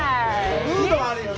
ムードはあるよね。